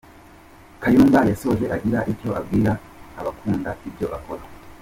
Kayumba yasoje agira icyo abwira abakunda ibyo akora.